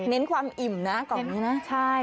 เนนความอิ่มนะกล่องนี้ใช่